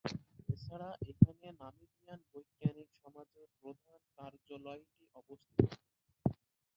এছাড়া এখানে নামিবিয়ার বৈজ্ঞানিক সমাজের প্রধান কার্যালয়টি অবস্থিত।